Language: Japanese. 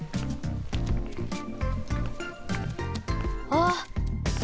あっ。